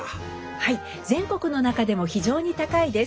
はい全国の中でも非常に高いです。